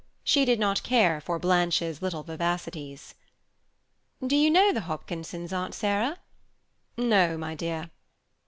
She did not care for Blanche's little vivacities. "Do you know the Hopkinsons, Aunt Sarah?" "No, my dear."